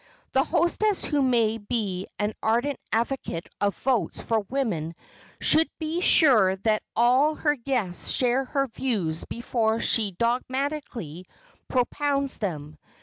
The hostess who may be an ardent advocate of votes for women should be sure that all her guests share her views before she dogmatically propounds them.